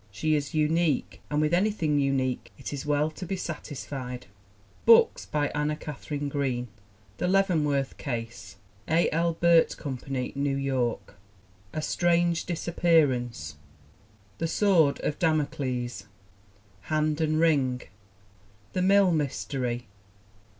She is unique, and with anything unique it is well to be satisfied ! BOOKS BY ANNA KATHARINE GREEN The Leavenworth Case. A. L. Burt Company, New York. A Strange Disappearance. The Sword of Damocles. Hand and Ring. The Mill Mystery.